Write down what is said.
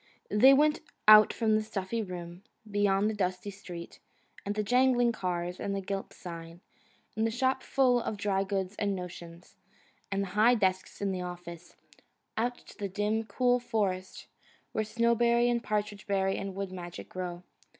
They went out from the stuffy room, beyond the dusty street, and the jangling cars, and the gilt sign, and the shop full of dry goods and notions, and the high desks in the office out to the dim, cool forest, where Snowberry and Partridge berry and Wood Magic grow.